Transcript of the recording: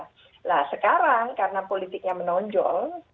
nah sekarang karena politiknya menonjol